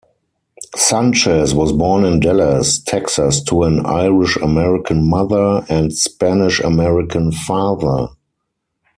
Sanches was born in Dallas, Texas to an Irish-American mother and Spanish-American father.